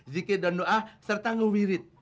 zikir dan doa serta ngewirit